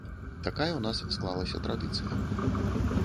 Такая ў нас склалася традыцыя.